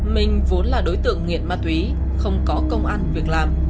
mình vốn là đối tượng nghiện ma túy không có công an việc làm